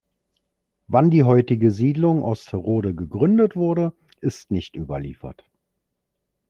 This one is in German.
Wann die heutige Siedlung Osterode gegründet wurde, ist nicht überliefert.